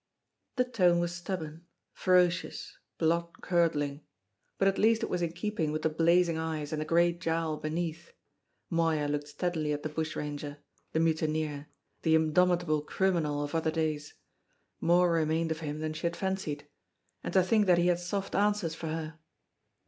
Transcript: The tone was stubborn, ferocious, blood curdling, but at least it was in keeping with the blazing eyes and the great jowl beneath. Moya looked steadily at the bushranger, the mutineer, the indomitable criminal of other days; more remained of him than she had fancied. And to think that he had soft answers for her!